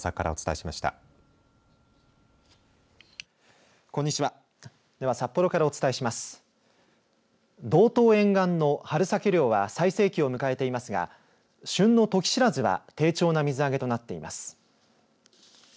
道東沿岸の春サケ漁は最盛期を迎えていますが旬のトキシラズは低調な水揚げとなっています。